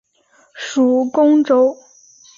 属恭州。